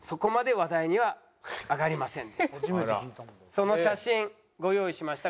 その写真ご用意しました。